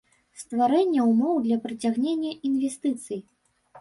Стварэнне ўмоў для прыцягнення iнвестыцый.